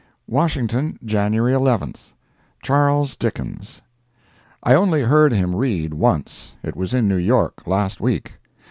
WASHINGTON, January 11th. Charles Dickens. I only heard him read once. It was in New York, last week.